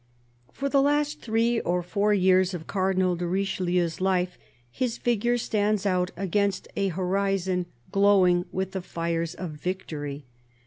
FOR the last three or four years of Cardinal de Riche lieu's life his figure stands out against a horizon glowing with the fires of victory.